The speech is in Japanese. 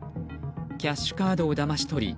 キャッシュカードをだまし取り